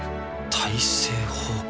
大政奉還。